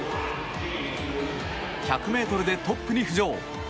１００ｍでトップに浮上。